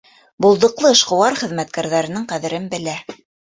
Булдыҡлы эшҡыуар хеҙмәткәрҙәренең ҡәҙерен белә.